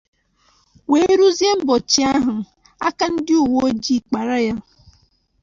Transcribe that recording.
wee ruzie ụbọchị ahụ aka ndị uweojii kpààrà ya